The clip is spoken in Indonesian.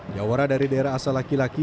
jawara dari daerah asal laki laki